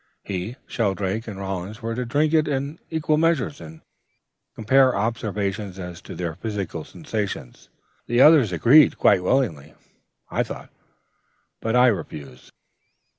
He, Shelldrake, and Hollins were to drink it in equal measures, and compare observations as to their physical sensations. The others agreed, quite willingly, I thought, but I refused....